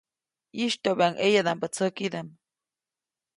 ʼYistyoʼbyaʼuŋ ʼeyadaʼmbä tsäkidaʼm.